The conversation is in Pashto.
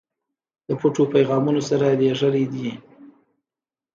د پټو پیغامونو سره لېږلی دي.